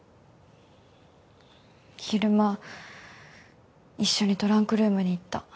昼間一緒にトランクルームに行った。